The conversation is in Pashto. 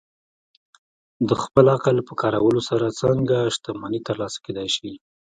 د خپل عقل په کارولو سره څنګه شتمني ترلاسه کېدای شي؟